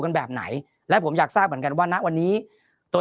กันแบบไหนและผมอยากทราบเหมือนกันว่าณวันนี้ตัว